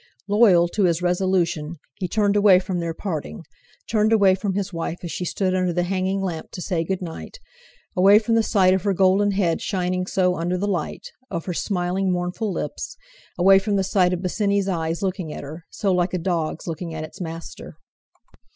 Loyal to his resolution, he turned away from their parting, turned away from his wife as she stood under the hanging lamp to say good night—away from the sight of her golden head shining so under the light, of her smiling mournful lips; away from the sight of Bosinney's eyes looking at her, so like a dog's looking at its master.